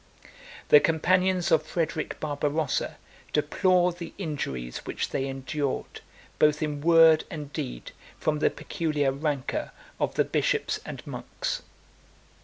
The companions of Frederic Barbarossa deplore the injuries which they endured, both in word and deed, from the peculiar rancor of the bishops and monks.